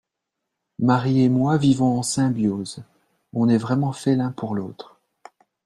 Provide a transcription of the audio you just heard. Marie et moi vivons en symbiose, on est vraiment fait l'un pour l'autre.